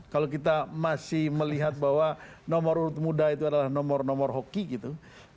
kalau kita masih melihat bahwa nomor urut muda itu adalah nomor nomor hoki gitu